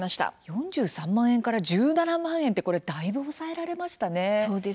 ４３万円から１７万円だいぶ抑えられましたね。